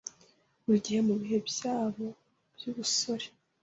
Buri gihe mubihe byabo byubusore